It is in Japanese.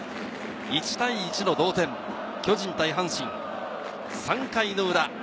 １対１の同点、巨人対阪神、３回の裏。